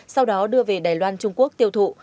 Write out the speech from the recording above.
sau đó đưa về đài loan trung quốc tiêu thụ